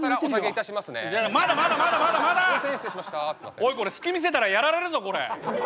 おいこれ隙見せたらやられるぞこれ。